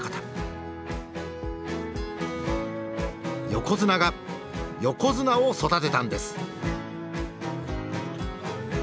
横綱が横綱を育てたんです。